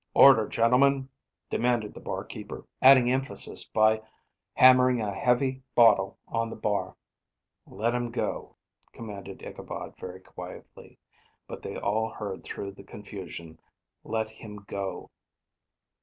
"Order, gentlemen!" demanded the bar keeper, adding emphasis by hammering a heavy bottle on the bar. "Let him go," commanded Ichabod very quietly; but they all heard through the confusion. "Let him go."